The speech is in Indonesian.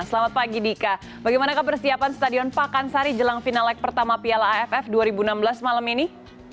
selamat pagi dika bagaimana kepersiapan stadion pakansari jelang final leg pertama piala aff dua ribu enam belas malam ini